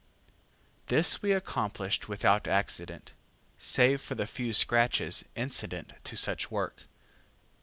This we accomplished without accident, save for the few scratches incident to such work.